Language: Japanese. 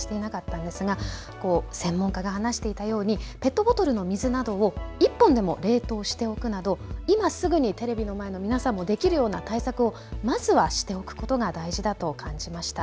専門家が話していたようにペットボトルの水などを１本でも冷凍しておくなど今すぐにテレビの前の皆さんができるような対策をまずはしておくことが大事だと感じました。